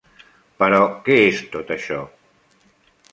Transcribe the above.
Però què és tot això?